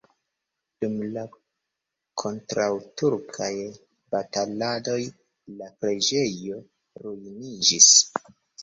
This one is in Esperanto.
Dum la kontraŭturkaj bataladoj la preĝejo ruiniĝis.